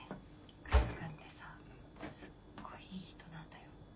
カズ君ってさすっごいいい人なんだよ。